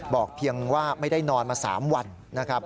เพียงว่าไม่ได้นอนมา๓วันนะครับ